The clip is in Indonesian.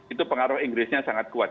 itu pengaruh inggrisnya sangat kuat